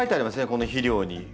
この肥料に。